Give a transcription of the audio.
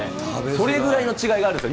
それぐらいの違いがあるんですよ。